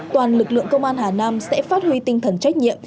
toàn lực lượng công an hà nam sẽ phát huy tinh thần trách nhiệm